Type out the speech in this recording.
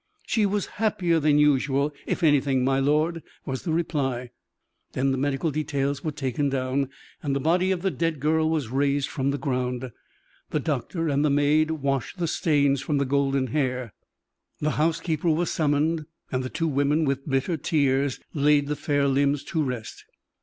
"She was happier than usual, if anything, my lord," was the reply. Then the medical details were taken down, and the body of the dead girl was raised from the ground. The doctor and the maid washed the stains from the golden hair. The housekeeper was summoned, and the two women, with bitter tears, laid the fair limbs to rest.